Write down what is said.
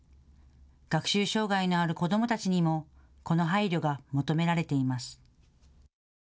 学習障害のある子どもたちにもこの配慮が求められています。